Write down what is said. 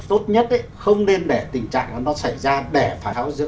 tốt nhất không nên để tình trạng nó xảy ra để phải tháo giữ